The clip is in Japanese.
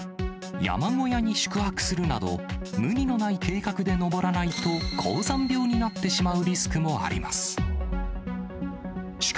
山小屋に宿泊するなど、無理のない計画で登らないと、高山病になってしまうリスクもあります。